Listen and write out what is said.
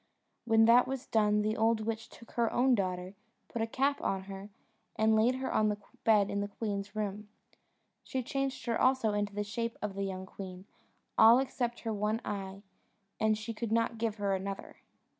When that was done the old witch took her own daughter, put a cap on her, and laid her on the bed in the queen's room. She changed her also into the shape of the young queen, all except her one eye, and she could not give her another.